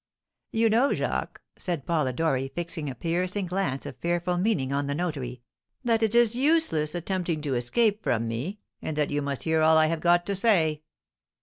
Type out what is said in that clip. "You know, Jacques," said Polidori, fixing a piercing glance of fearful meaning on the notary, "that it is useless attempting to escape from me, and that you must hear all I have got to say."